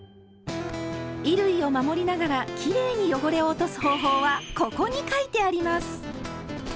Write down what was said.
衣類を守りながらきれいに汚れを落とす方法は「ここ」に書いてあります！